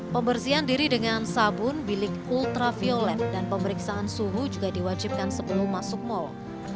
pembersihan diri dengan sabun bilik ultraviolet dan pemeriksaan suhu juga diwajibkan sebelum masuk mal